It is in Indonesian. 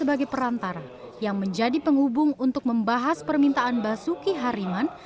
sebagai perantara yang menjadi penghubung untuk membahas permintaan basuki hariman